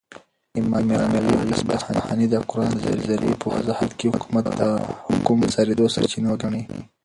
،امام راغب اصفهاني دقران دنظري په وضاحت كې حكومت دحكم دصادريدو سرچينه ګڼي